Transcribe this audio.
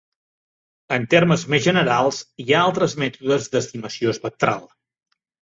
En termes més generals, hi ha altres mètodes d'estimació espectral.